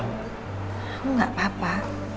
kamu gak apa apa